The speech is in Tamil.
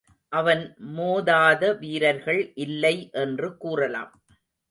அவன் மோதாத வீரர்கள் இல்லை என்று கூறலாம்.